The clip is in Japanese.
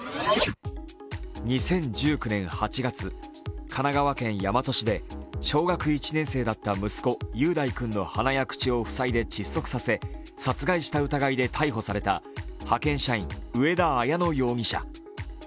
２０１９年８月、神奈川県大和市で小学１年生だった息子、雄大君の鼻や口を塞いで窒息させ、殺害した疑いで逮捕された派遣社員、上田綾乃容疑者。